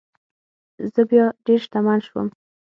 زه بیا ډیر شتمن شوم.